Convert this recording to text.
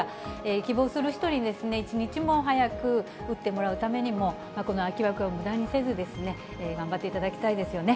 希望する人に一日も早く打ってもらうためにも、この空き枠をむだにせず、頑張っていただきたいですよね。